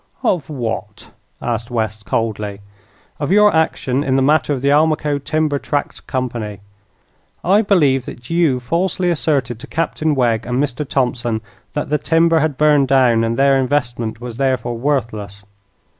"Of what?" asked West, coldly. "Of your action in the matter of the Almaquo Timber Tract Company. I believe that you falsely asserted to Captain Wegg and Mr. Thompson that the timber had burned and their investment was therefore worthless.